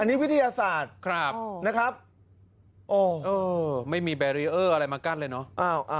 อันนี้วิทยาศาสตร์นะครับไม่มีแบรีเออร์อะไรมากั้นเลยเนอะ